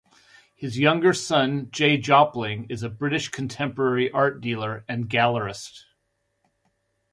His younger son, Jay Jopling, is a British contemporary art dealer and gallerist.